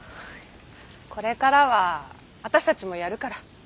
これからは私たちもやるから。